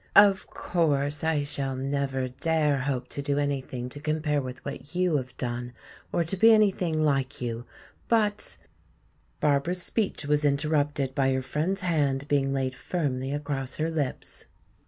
Of course, I shall never dare hope to do anything to compare with what you have done, or to be anything like you, but " Barbara's speech was interrupted by her friend's hand being laid firmly across her lips.